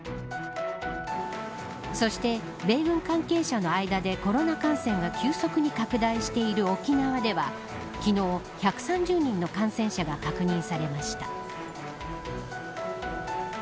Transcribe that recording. そして、米軍関係者の間でコロナ感染が急速に拡大している沖縄では昨日１３０人の感染者が確認されました。